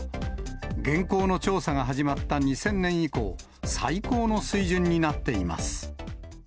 現行の調査が始まった２０００年以降、最高の水準になっています。